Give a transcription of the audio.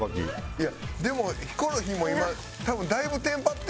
いやでもヒコロヒーも今多分だいぶテンパって。